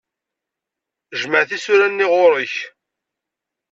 Jmeɛ tisura-nni ɣur-k.